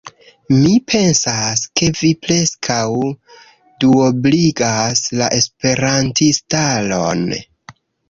Mi pensas, ke vi preskaŭ duobligas la esperantistaron.